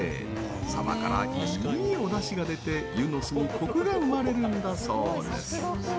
サバからいいおだしが出てゆの酢にコクが生まれるんだそうです。